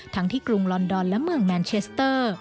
ทั้งที่กรุงลอนดอนและเมืองแมนเชสเตอร์